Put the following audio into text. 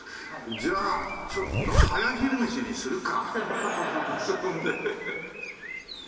じゃあちょっと早昼飯にするか。